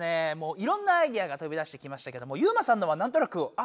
いろんなアイデアがとび出してきましたけどもユウマさんのはなんとなくあ